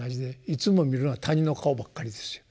いつも見るのは他人の顔ばっかりですよ。